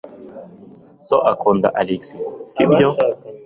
So akunda Alex, sibyo?